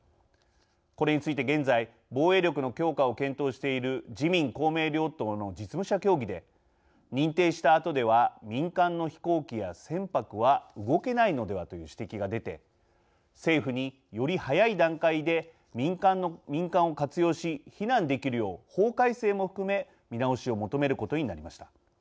これについて現在防衛力の強化を検討している自民・公明両党の実務者協議で「認定したあとでは民間の飛行機や船舶は動けないのでは」という指摘が出て政府に、より早い段階で民間を活用し、避難できるよう法改正も含め見直しを求めることになりました。